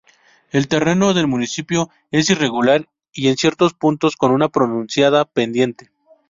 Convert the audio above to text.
El terreno del municipio es irregular y en ciertos puntos con una pronunciada pendiente.